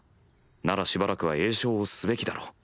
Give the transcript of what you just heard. ならしばらくは詠唱をすべきだろう。